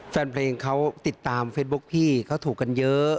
แฟนเพลงเขาติดตามเฟซบุ๊คพี่เขาถูกกันเยอะ